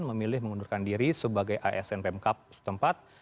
memilih mengundurkan diri sebagai asn pemkap setempat